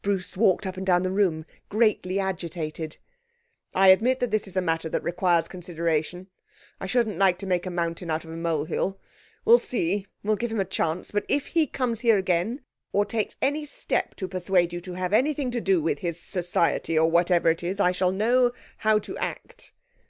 Bruce walked up and down the room greatly agitated. 'I admit that this is a matter that requires consideration. I shouldn't like to make a mountain out of a mole hill. We'll see; we'll give him a chance. But if he comes here again, or takes any step to persuade you to have anything to do with his Society or whatever it is, I shall know how to act.'